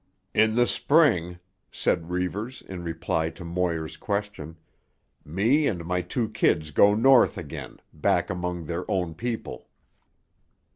"In the Spring," said Reivers in reply to Moir's question, "me and my two kids go north again, back among their own people."